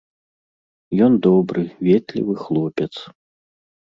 Ён добры, ветлівы хлопец.